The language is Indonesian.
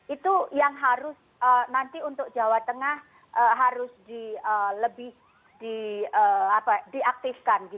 itu yang harus nanti untuk jawa tengah harus lebih diaktifkan